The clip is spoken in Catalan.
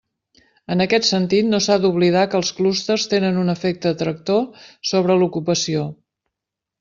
En aquest sentit no s'ha d'oblidar que els clústers tenen un efecte tractor sobre l'ocupació.